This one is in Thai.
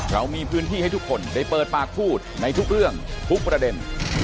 เรามีพื้นที่ให้ทุกคนได้เปิดปากพูดในทุกเรื่องทุกประเด็น